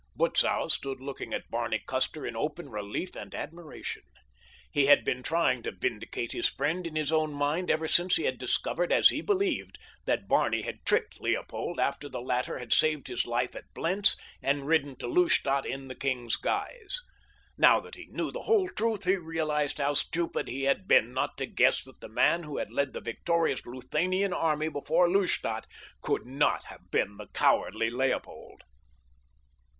Butzow stood looking at Barney Custer in open relief and admiration. He had been trying to vindicate his friend in his own mind ever since he had discovered, as he believed, that Barney had tricked Leopold after the latter had saved his life at Blentz and ridden to Lustadt in the king's guise. Now that he knew the whole truth he realized how stupid he had been not to guess that the man who had led the victorious Luthanian army before Lustadt could not have been the cowardly Leopold.